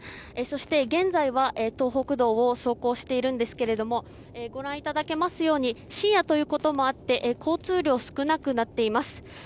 そして現在は東北道を走行しているんですがご覧いただけますように深夜ということもあって交通量が少なくなっています。